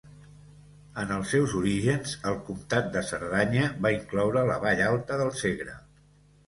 En els seus orígens, el comtat de Cerdanya va incloure la vall alta del Segre.